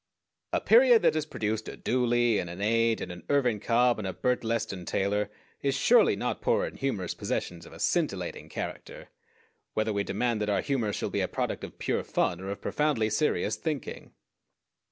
A period that has produced a Dooley, and an Ade, and an Irvin Cobb, and a Bert Leston Taylor, is surely not poor in humorous possessions of a scintillating character, whether we demand that our humor shall be a product of pure fun or of profoundly serious thinking.